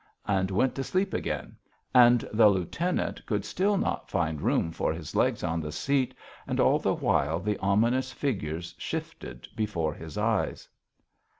and went to sleep again; and the lieutenant could still not find room for his legs on the seat, and all the while the ominous figures shifted before his eyes.